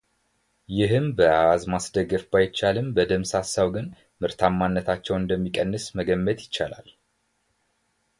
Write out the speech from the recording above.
ይህን በአሐዝ ማስደገፍ ባይቻልም በደምሳሳው ግን ምርታማነታቸውን እንደሚቀንስ መገመት ይቻላል።